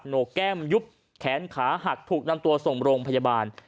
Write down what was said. โหนกแก้มยุบแขนขาหักถูกนำตัวส่งโรงพยาบาล